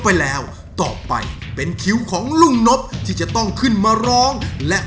ถ้าเขาบอกก่อนหลักเขินก็ได้